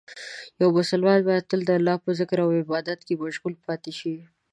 یو مسلمان باید تل د الله په ذکر او عبادت کې مشغول پاتې شي.